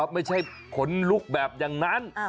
ไม่ใช่ขนลุกแบบอย่างนั้น